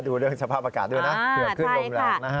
ดูเรื่องสภาพอากาศด้วยนะเกือบขึ้นลงแล้วนะครับ